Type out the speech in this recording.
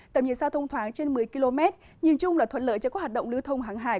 tầm nhìn xa thông thoáng trên một mươi km nhìn chung là thuận lợi cho các hoạt động lưu thông hàng hải